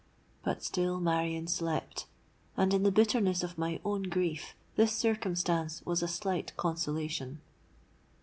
But still Marion slept; and, in the bitterness of my own grief, this circumstance was a slight consolation.